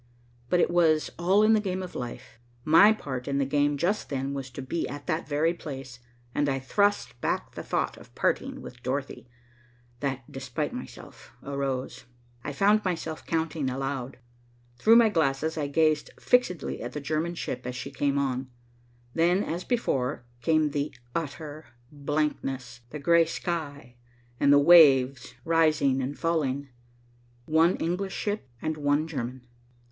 But it was all in the game of life. My part in the game just then was to be at that very place, and I thrust back the thought of parting with Dorothy that, despite myself, arose. [Illustration: I FOUND MYSELF COUNTING ALOUD. [Page 247. ] Through my glasses, I gazed fixedly at the German ship as she came on. Then, as before, came the utter blankness, the gray sky and the waves rising and falling. One English ship and one German.